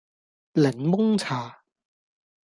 檸檬茶